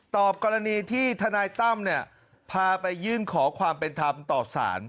ตอบกรณีที่ทนายตั้มพาไปยื่นขอความเป็นธรรมโตะสาร